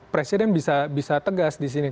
presiden bisa tegas disini